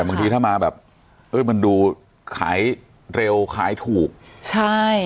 แต่บางทีถ้ามันดูแบบเอ๋มันดูขายเร็วขายถูกใช่